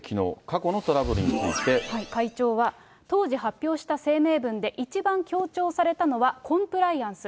きのう、会長は、当時発表した声明文で一番強調されたのはコンプライアンス。